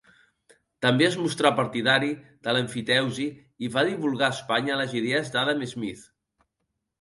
També es mostrà partidari de l'emfiteusi i va divulgar a Espanya les idees d'Adam Smith.